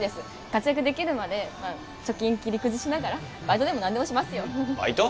活躍できるまで貯金切り崩しながらバイトでも何でもしますよバイト？